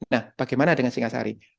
nah bagaimana dengan singasari